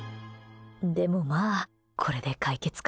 でもまあ、これで解決か。